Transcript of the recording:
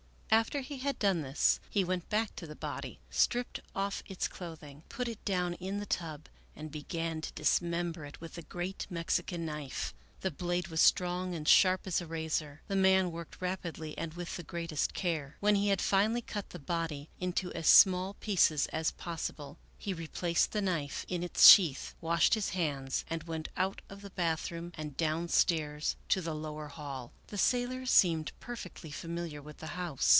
After he had done this he went back to the body, stripped off its clothing, put it down in the tub and began to dismember it with the great Mexican knife. The blade was strong and sharp as a razor. The man worked rapidly and with the greatest care. When he had finally cut the body into as small pieces as possible, he replaced the knife in its sheath, washed his 83 American Mystery Stories hands, and went out of the bathroom and downstairs to the lower hall. The sailor seemed perfectly familiar with the house.